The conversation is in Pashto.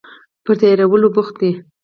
پر تیارولو بوخت دي